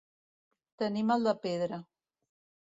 Tenir mal de pedra.